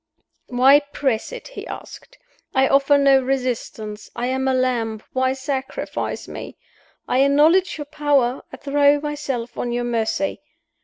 "Why press it?" he asked. "I offer no resistance. I am a lamb why sacrifice me? I acknowledge your power; I throw myself on your mercy.